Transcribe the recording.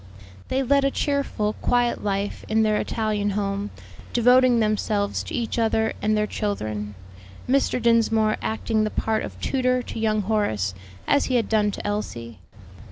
They led a cheerful, quiet life in their Italian home, devoting themselves to each other and their children; Mr. Dinsmore acting the part of tutor to young Horace, as he had done to Elsie.